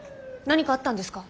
何かあったんですか？